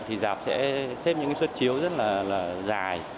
thì dạp sẽ xếp những xuất chiếu rất là dài